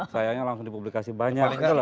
sayangnya langsung dipublikasi banyak